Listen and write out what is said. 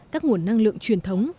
các nguồn năng lượng truyền thống